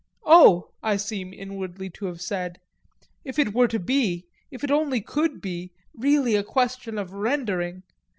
"Oh," I seem inwardly to have said, "if it were to be, if it only could be, really a question of rendering